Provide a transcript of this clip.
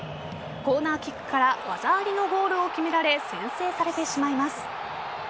コーナーキックから技ありのゴールを決められ先制されてしまいます。